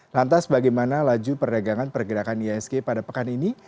lantas bagaimana laju perdagangan pergerakan iasg pada pekan ini